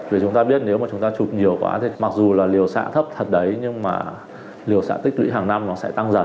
vì chúng ta biết nếu mà chúng ta chụp nhiều quá thì mặc dù là liều xã thấp thật đấy nhưng mà liều xã tích lũy hàng năm nó sẽ tăng dần